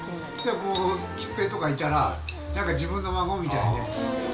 こう結平とかいたら、なんか自分の孫みたいで。